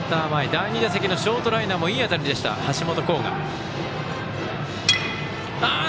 第２打席のショートライナーもいい当たりでした、橋本航河。